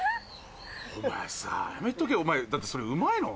お前さやめとけお前だってそれうまいの？